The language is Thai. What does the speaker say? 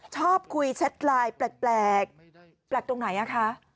ชอบคุยแชทไลน์แปลกตรงไหนอะคะ